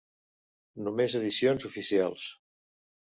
Només edicions oficials.